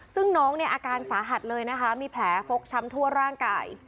ซึ่งน้องเนี่ยอาการสาหัสเลยนะคะมีแผลฟกช้ำทั่วร่างกาย